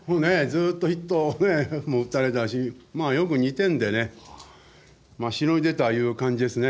ずっとヒットを打たれたしよく２点でしのいでたという感じですね。